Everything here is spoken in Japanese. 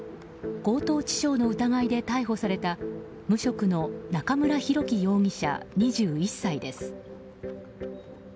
強盗致傷の疑いで逮捕された無職の中村博樹容疑者２１歳です。